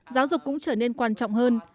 giáo dục cũng trở nên quan trọng hơn